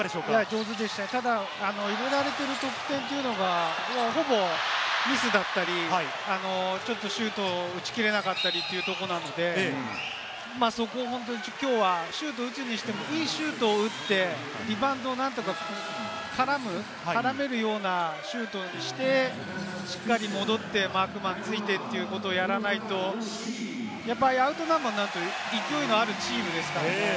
入れられてる得点というのが、ほぼミスだったり、シュートを打ち切れなかったりというところなので、そこを本当にきょうはシュートを打つにしても、いいシュートを打って、リバウンドを何とか絡めるようなシュートにして、しっかり戻ってマークマンついてということをやらないと、アウトナンバーになると勢いのあるチームですからね。